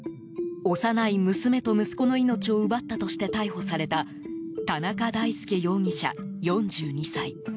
幼い娘と息子の命を奪ったとして逮捕された田中大介容疑者、４２歳。